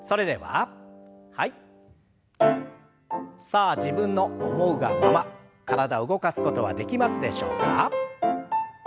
さあ自分の思うがまま体動かすことはできますでしょうか。